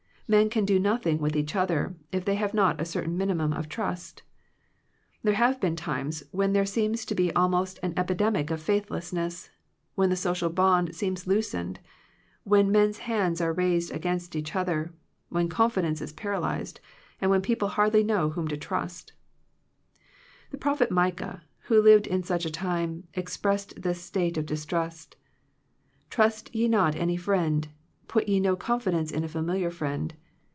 Men can do nothing with each other, if they have not a certain minimum of trust There have been times when there seems to be almost an epidemic of faithlessness, when the social bond seems loosened, when men's hands are raised against each other, when confidence is paralyzed, and people hardly know whom to trust The prophet Micah, who lived in such a time, expresses this state of distrust: " Trust ye not any friend, put ye no con fidence in a familiar friend.